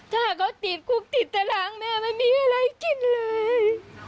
ถ้าเขาติดคุกติดตารางแม่ไม่มีอะไรกินเลย